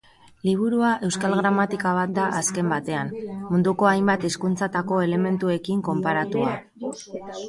Liburua euskal gramatika bat da azken batean, munduko hainbat hizkuntzatako elementuekin konparatua.